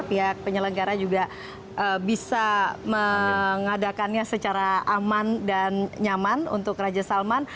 pihak penyelenggara juga bisa mengadakannya secara aman dan nyaman untuk raja salman